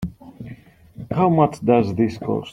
How much does this cost?